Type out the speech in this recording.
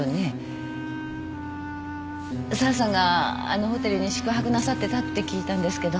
沢さんがあのホテルに宿泊なさってたって聞いたんですけど。